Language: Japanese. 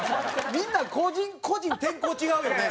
みんな個人個人天候違うよね？